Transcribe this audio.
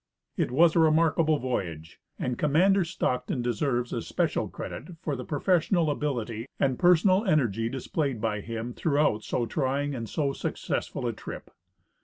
It was a remarkable voyage, and Commander Stockton deserves especial credit for the professional ability and personal energy displayed by him throughout so trying and so successful a trip.